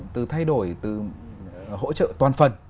từ thay đổi từ hỗ trợ toàn phần